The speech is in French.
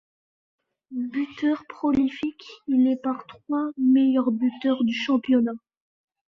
Buteur prolifique, il est par trois fois meilleur buteur du championnat.